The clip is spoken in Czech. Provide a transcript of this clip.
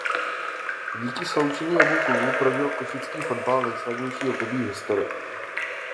Díky sloučení obou klubů prožil košický fotbal nejslavnější období v historii.